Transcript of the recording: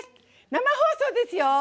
生放送ですよ！